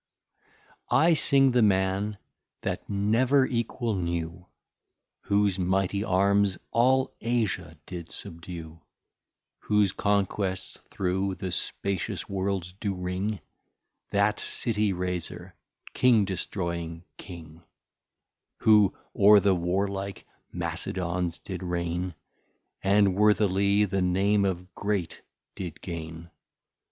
I Sing the Man that never Equal knew, Whose Mighty Arms all Asia did subdue, Whose Conquests through the spacious World do ring, That City Raser, King destroying King, Who o're the Warlike Macedons did Reign, And worthily the Name of Great did gain.